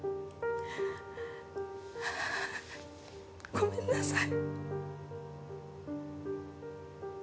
ごめんなさい。